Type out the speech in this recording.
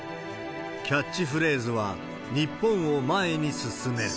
キャッチフレーズは、日本を前に進める。